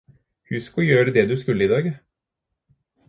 Husk å gjøre det du skulle i dag.